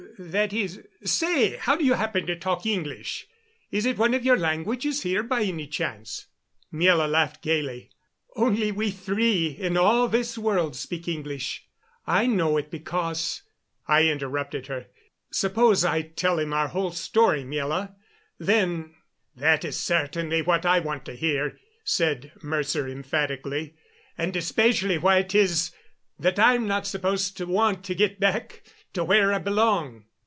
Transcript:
That is say, how do you happen to talk English? Is it one of your languages here, by any chance?" Miela laughed gayly. "Only we three, in all this world, speak English. I know it because " I interrupted her. "Suppose I tell him our whole story, Miela? Then " "That's certainly what I want to hear," said Mercer emphatically. "And especially why it is that I'm not supposed to want to get back to where I belong."